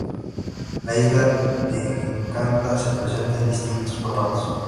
La Isla de Encanta se presenta en distintos formatos.